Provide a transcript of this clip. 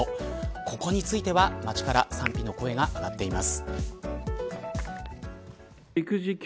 ここについては、街から賛否の声が上がっています。